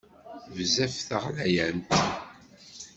Bezzaf d taɣlayant!